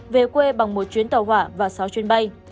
về quê bằng một chuyến tàu hỏa và sáu chuyến bay